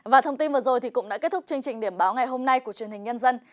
và thông tin vừa rồi cũng đã kết thúc chương trình điểm báo ngày hôm nay của truyền hình nhân dân